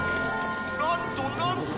なんとなんと。